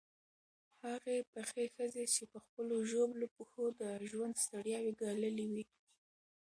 هغې پخې ښځې په خپلو ژوبلو پښو د ژوند ستړیاوې ګاللې وې.